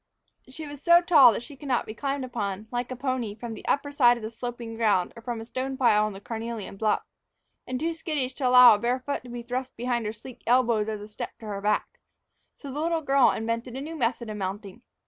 She was so tall that she could not be climbed upon, like a pony, from the upper side of sloping ground or from the stone pile on the carnelian bluff, and too skittish to allow a bare foot to be thrust behind her sleek elbows as a step to her back, so the little girl invented a new method of mounting.